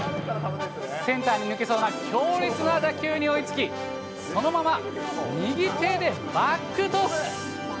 センターに抜けそうな強烈な打球に追いつき、そのまま右手でバックトス。